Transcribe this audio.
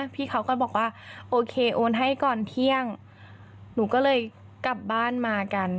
พี่เขาก็บอกว่าโอเคโอนให้ก่อนเที่ยงหนูก็เลยกลับบ้านมากัน